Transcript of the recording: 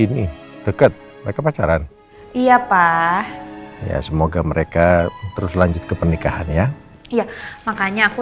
ini deket mereka pacaran iya pak ya semoga mereka terus lanjut ke pernikahan ya iya makanya aku